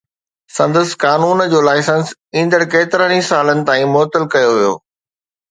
سندس قانون جو لائسنس ايندڙ ڪيترن سالن تائين معطل ڪيو ويو.